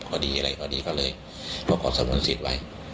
พอดีอะไรก็ดีก็เลยมาขอสงวนสิทธิ์ไว้